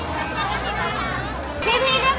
สวัสดีครับ